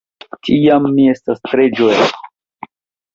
Tiam mi estas tre ĝoja.